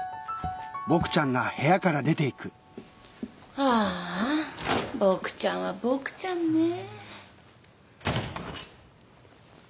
ああボクちゃんはボクちゃんねぇ。